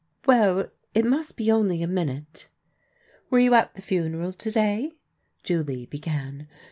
" Well, it must only be a minute." " Were you at the funeral to day ?" Julie began.